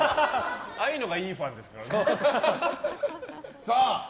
ああいうのがいいファンですから。